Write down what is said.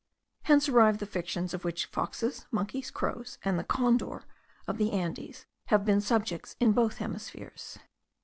Hence arise the fictions of which foxes, monkeys, crows, and the condor of the Andes, have been the subjects in both hemispheres.